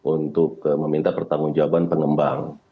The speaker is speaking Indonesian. untuk meminta pertanggung jawaban pengembang